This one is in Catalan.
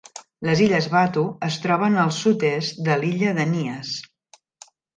Les illes Batu es troben al sud-est de l'illa de Nias.